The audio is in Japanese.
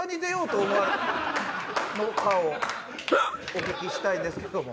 お聞きしたいんですけども。